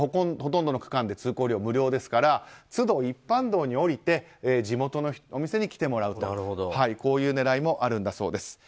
ほとんどの区間で通行料無料ですからつど一般道に降りて地元のお店に来てもらうという狙いもあるんだそうです。